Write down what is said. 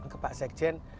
ke pak sekjen